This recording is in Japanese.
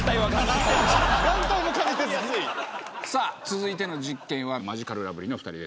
さぁ続いての実験はマヂカルラブリーのお２人です。